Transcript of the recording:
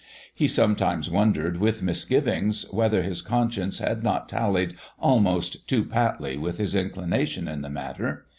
He sometimes wondered with misgivings whether his conscience had not tallied almost too patly with his inclination in the matter.